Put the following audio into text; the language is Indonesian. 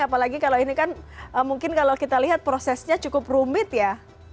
apalagi kalau ini kan mungkin kalau kita lihat prosesnya cukup rumit ya